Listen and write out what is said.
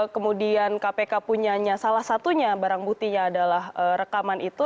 kemudian kpk punyanya salah satunya barang buktinya adalah rekaman itu